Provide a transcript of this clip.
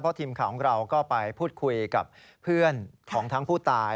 ทีมข่าวของเราก็ไปพูดคุยกับเพื่อนของทั้งผู้ตาย